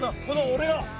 この俺が！